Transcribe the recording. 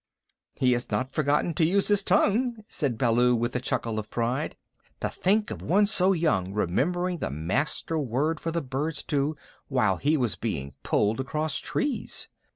"He has not forgotten to use his tongue," said Baloo with a chuckle of pride. "To think of one so young remembering the Master Word for the birds too while he was being pulled across trees!"